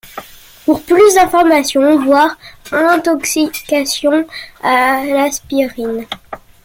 Pour plus d'informations, voir Intoxication à l'aspirine.